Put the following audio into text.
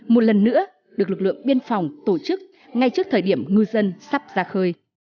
một lần nữa được lực lượng biên phòng tổ chức ngay trước thời điểm ngư dân sắp ra khơi